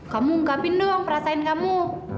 kamu ungkapin doang perasaan kamu